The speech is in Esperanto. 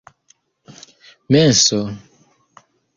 menso